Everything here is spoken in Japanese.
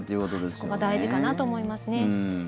そこが大事かなと思いますね。